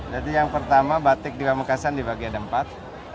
jadi yang pertama batik di pamekasan di bagian empat